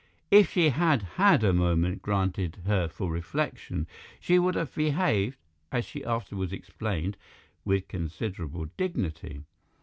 If she had had a moment granted her for reflection she would have behaved, as she afterwards explained, with considerable dignity.